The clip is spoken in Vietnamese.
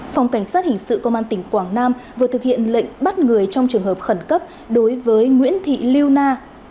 phòng cảnh sát hình sự công an tỉnh quảng nam vừa thực hiện lệnh bắt người trong trường hợp khẩn cấp đối với nguyễn thị liêu na